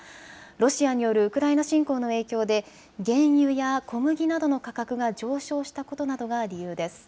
ロシアによるウクライナ侵攻の影響で原油や小麦などの価格が上昇したことなどが理由です。